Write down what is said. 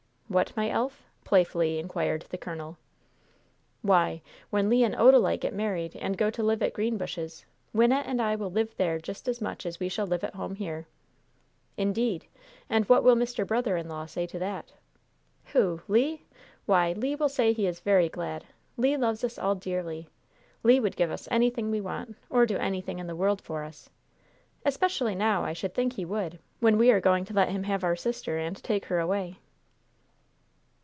"What, my elf?" playfully inquired the colonel. "Why, when Le and Odalite get married and go to live at Greenbushes, Wynnette and I will live there just as much as we shall at home here." "Indeed! and what will Mr. Brother in law say to that?" "Who, Le? Why, Le will say he is very glad. Le loves us all dearly. Le would give us anything we want, or do anything in the world for us. Especially now I should think he would, when we are going to let him have our sister and take her away."